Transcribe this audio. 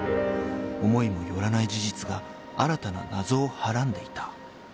［思いも寄らない事実が新たな謎をはらんでいた］